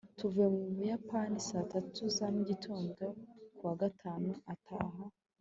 tuvuye mu buyapani saa tatu za mugitondo. kuwa gatanu utaha